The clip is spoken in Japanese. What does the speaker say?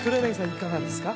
いかがですか？